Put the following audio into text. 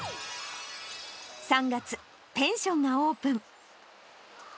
３月、ペンションがオープン。